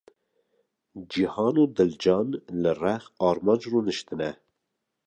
Cîhan û Dilcan li rex Armanc rûniştine.